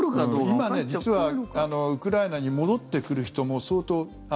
今、実はウクライナに戻ってくる人も相当。